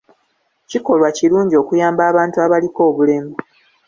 Kikolwa kirungi okuyamba abantu abaliko obulemu.